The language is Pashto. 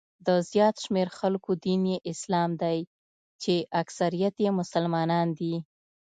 د زیات شمېر خلکو دین یې اسلام دی چې اکثریت یې مسلمانان دي.